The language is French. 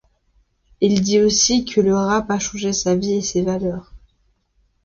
Il dit aussi que le rap a changé sa vie et ses valeurs.